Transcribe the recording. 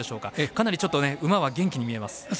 かなり馬は元気に見えます。